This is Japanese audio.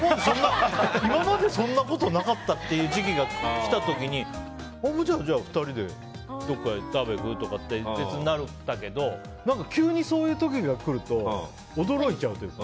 今までそんなことなかったって時期が来た時にじゃあ２人でどっか食べに行く？とかってなったけど急にそういう時が来ると驚いちゃうというか。